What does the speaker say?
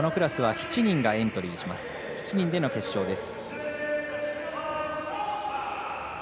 ７人での決勝です。